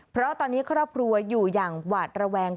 เพราะตอนนี้ครอบครัวอยู่อย่างหวาดระแวง